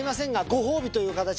ご褒美で。